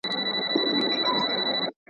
د استاد د جنازې مراسم